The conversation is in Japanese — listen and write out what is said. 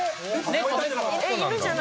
犬じゃないの？